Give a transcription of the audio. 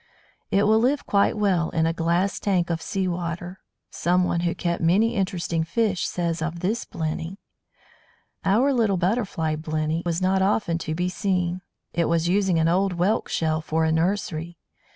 It will live quite well in a glass tank of sea water; someone who kept many interesting fish says of this Blenny: "Our little Butterfly Blenny was not often to be seen. It was using an old whelk shell for a nursery.